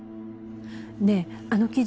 ねえあの記事。